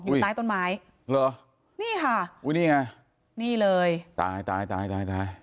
อยู่ใต้ต้นไม้เหรอนี่ค่ะอุ้ยนี่ไงนี่เลยตายตายตายตายตาย